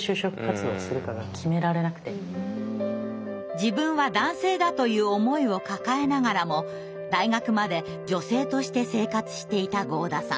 自分は男性だという思いを抱えながらも大学まで女性として生活していた合田さん。